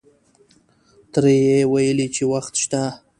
تره یې ویلې چې وخت شته.